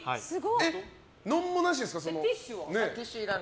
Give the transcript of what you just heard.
何もなしですか？